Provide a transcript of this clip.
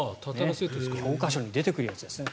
教科書に出てくるやつですね。